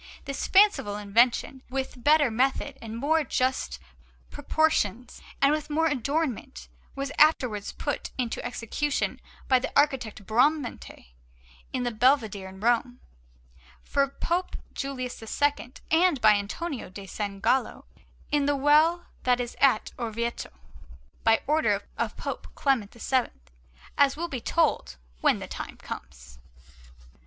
This fanciful invention, with better method and more just proportions, and with more adornment, was afterwards put into execution by the architect Bramante in the Belvedere in Rome, for Pope Julius II, and by Antonio da San Gallo in the well that is at Orvieto, by order of Pope Clement VII, as will be told when the time comes.